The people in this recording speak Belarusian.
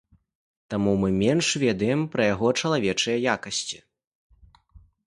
Таму мы менш ведаем пра яго чалавечыя якасці.